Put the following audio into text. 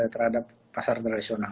terhadap pasar tradisional